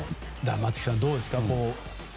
松木さん、どうですか？